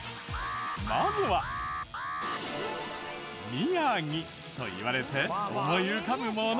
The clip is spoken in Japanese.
「宮城」といわれて思い浮かぶもの